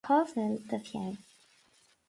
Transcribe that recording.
Cá bhfuil do pheann